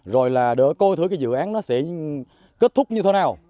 rồi là để coi thử cái dự án nó sẽ kết thúc như thế nào